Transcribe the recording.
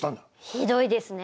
ひどいですね！